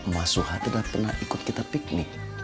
mas suha tidak pernah ikut kita piknik